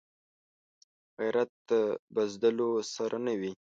غیرت د بزدلو سره نه وي